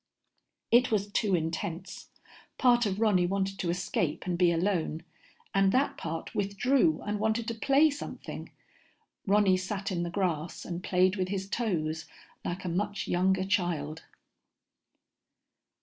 It was too intense. Part of Ronny wanted to escape and be alone, and that part withdrew and wanted to play something. Ronny sat in the grass and played with his toes like a much younger child.